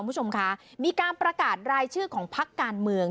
คุณผู้ชมคะมีการประกาศรายชื่อของพักการเมือง